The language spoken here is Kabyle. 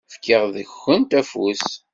Fkiɣ deg-kent afus.